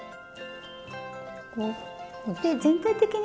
全体的に。